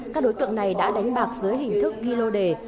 các đối tượng này đã đánh bạc dưới hình thức ghi lô đề